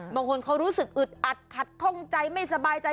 บางคนเขารู้สึกอึดอัดขัดข้องใจไม่สบายใจ